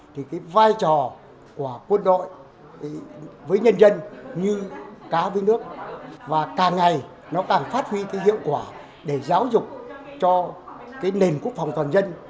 thì cái vai trò của quân đội với nhân dân như cá với nước và càng ngày nó càng phát huy cái hiệu quả để giáo dục cho cái nền quốc phòng toàn dân